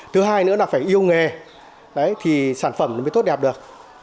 thứ hai nữa là phải yêu nghề đấy thì sản phẩm nó mới tốt đẹp được